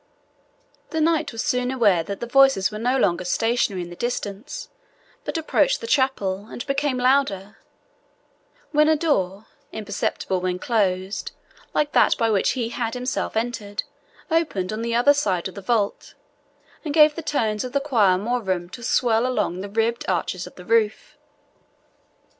The knight was soon aware that the voices were no longer stationary in the distance, but approached the chapel and became louder, when a door, imperceptible when closed, like that by which he had himself entered, opened on the other side of the vault, and gave the tones of the choir more room to swell along the ribbed arches of the roof.